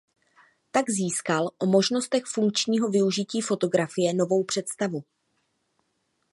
Tak získal o možnostech funkčního využití fotografie novou představu.